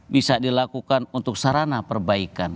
bisa dilakukan untuk sarana perbaikan